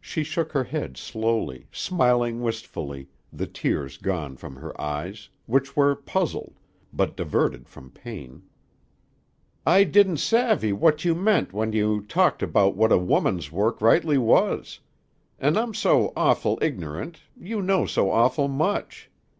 She shook her head slowly, smiling wistfully, the tears gone from her eyes, which were puzzled, but diverted from pain. "I didn't savvy what you meant when you talked about what a woman's work rightly was. An' I'm so awful ignorant, you know so awful much.